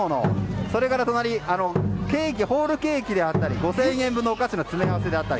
それからホールケーキであったり５０００円分のお菓子の詰め合わせであったり。